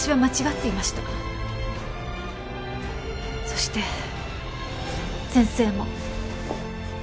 そして先生も。